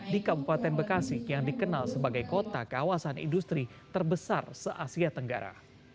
di kabupaten bekasi yang dikenal sebagai kota kawasan industri terbesar se asia tenggara